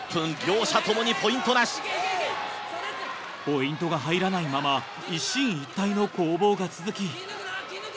ポイントが入らないまま一進一退の攻防が続き。